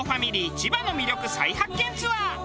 千葉の魅力再発見ツアー。